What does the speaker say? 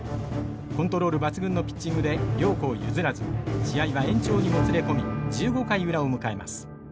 コントロール抜群のピッチングで両校譲らず試合は延長にもつれ込み１５回裏を迎えます。